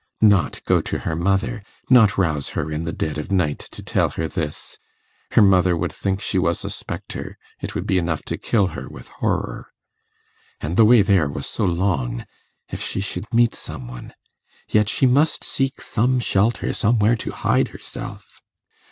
Not go to her mother not rouse her in the dead of night to tell her this. Her mother would think she was a spectre; it would be enough to kill her with horror. And the way there was so long ... if she should meet some one ... yet she must seek some shelter, somewhere to hide herself.